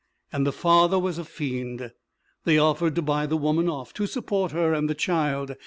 And the father was a fiend. They offered to buy the woman off, to support her and the child.